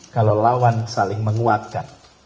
kalau lawan saling menguatkan